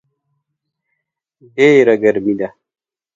ډېره ګرمي ده